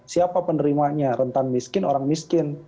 siapa penerimanya rentan miskin orang miskin